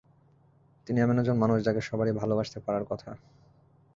তিনি এমন একজন মানুষ যাকে সবারই ভালবাসতে পারার কথা।